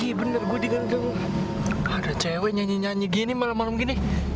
iya bener gue denger denger ada cewek nyanyi nyanyi malam malam gini